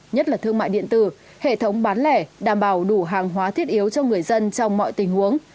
nhất là thương mại điện tử hệ thống bán lẻ đảm bảo đủ hàng hóa thiết yếu cho người dân trong mọi tình huống